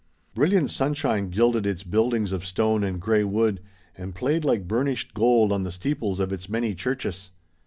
Brilliant sunshine gilded its buildings of stone and gray wood, and played like burnished gold on the steeples of its many churches.